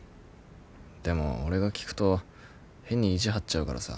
でも俺が聞くと変に意地張っちゃうからさ。